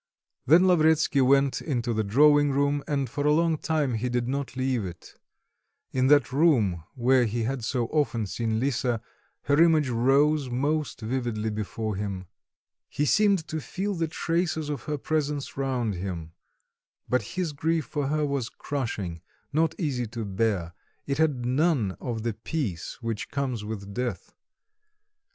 Then Lavretsky went into the drawing room, and for a long time he did not leave it; in that room where he had so often seen Lisa, her image rose most vividly before him; he seemed to feel the traces of her presence round him; but his grief for her was crushing, not easy to bear; it had none of the peace which comes with death.